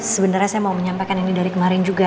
sebenarnya saya mau menyampaikan ini dari kemarin juga